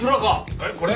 えっこれ？